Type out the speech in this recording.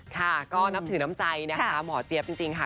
ค่ะก็นับถือน้ำใจนะคะหมอเจี๊ยบจริงค่ะ